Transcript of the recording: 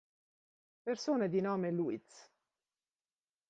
Persone di nome Luiz